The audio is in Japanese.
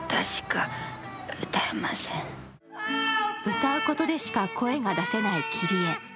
歌うことでしか声が出せないキリエ。